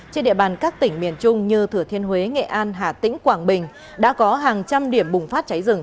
trên địa bàn các tỉnh miền trung như thừa thiên huế nghệ an hà tĩnh quảng bình đã có hàng trăm điểm bùng phát cháy rừng